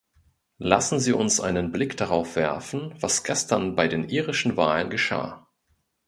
Lassen Sie uns einen Blick darauf werfen, was gestern bei den irischen Wahlen geschah.